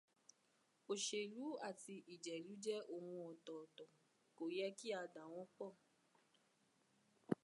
Òṣèlú àti ìjẹ̀lú jẹ́ ohun ọ̀tọ̀ọ̀tọ̀, kò yẹ kí a dà wọ́n pọ̀.